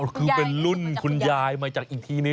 คือเป็นรุ่นคุณยายอีกทีนี้